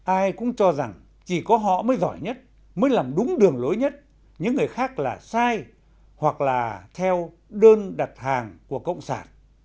ai cũng cho rằng chỉ có họ mới giỏi nhất mới làm đúng đường lối nhất những người khác là sai hoặc là theo đơn đặt hàng của cộng sản